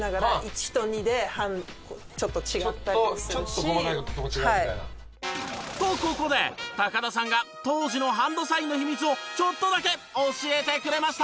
ちょっと細かいとこ違うみたいな。とここで田さんが当時のハンドサインの秘密をちょっとだけ教えてくれました。